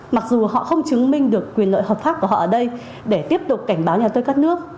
mặc dù họ không chứng minh được quyền lợi hợp pháp của họ ở đây để tiếp tục cảnh báo nhà tôi các nước